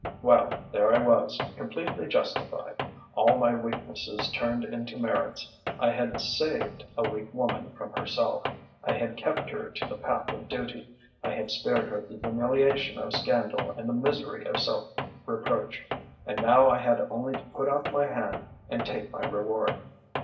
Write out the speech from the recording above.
"Well there I was, completely justified: all my weaknesses turned into merits! I had 'saved' a weak woman from herself, I had kept her to the path of duty, I had spared her the humiliation of scandal and the misery of self reproach; and now I had only to put out my hand and take my reward.